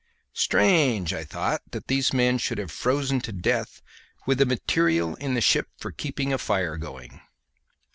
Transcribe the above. Strange, I thought, that these men should have frozen to death with the material in the ship for keeping a fire going.